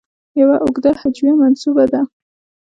یو اوږده هجویه منسوبه ده.